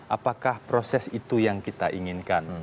apakah proses itu yang kita inginkan